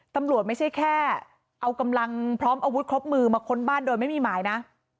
ไม่ใช่แค่เอากำลังพร้อมอาวุธครบมือมาค้นบ้านโดยไม่มีหมายนะ